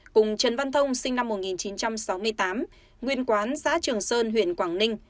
cùng trần văn thông sinh năm một nghìn chín trăm sáu mươi tám nguyên quán xã trường sơn huyện quảng ninh